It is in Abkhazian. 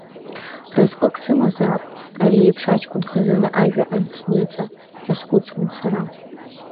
Разҟык сымазаап, ари иеиԥш, аҷкәын хазына ажәа ансниҵа, ҳәа схәыцуан сара.